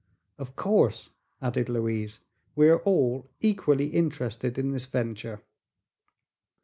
"Of course," added Louise; "we are all equally interested in this venture."